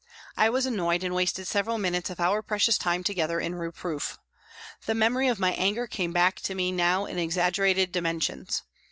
I was annoyed and wasted several minutes of our precious time together in reproof. The memory of my anger came back to me now in exaggerated dimensions.